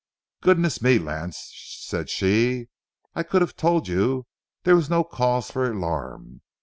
"Goodness me, Lance," said she, "I could have told you there was no cause for alarm.